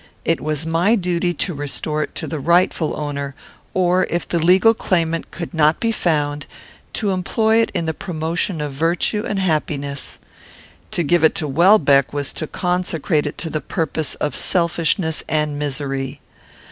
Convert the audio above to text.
It was my duty to restore it to the rightful owner, or, if the legal claimant could not be found, to employ it in the promotion of virtue and happiness. To give it to Welbeck was to consecrate it to the purpose of selfishness and misery.